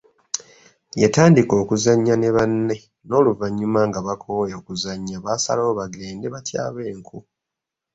Yatandika okuzannya ne banne n’oluvanyuma nga bakooye okuzannya baasalawo bagende batyabe enku.